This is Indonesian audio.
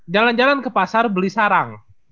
jalan jalan ke pasar beli sarang